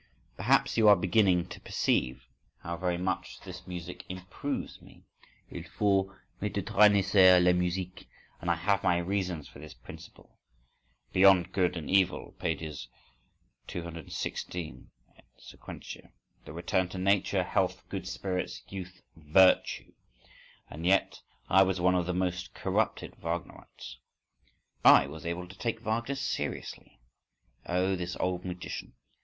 3. Perhaps you are beginning to perceive how very much this music improves me?—Il faut méditerraniser la musique. and I have my reasons for this principle ("Beyond Good and Evil," pp. 216 et seq.) The return to Nature, health, good spirits, youth, virtue!—And yet I was one of the most corrupted Wagnerites.… I was able to take Wagner seriously. Oh, this old magician!